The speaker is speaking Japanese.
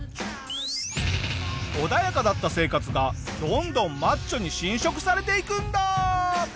穏やかだった生活がどんどんマッチョに侵食されていくんだ！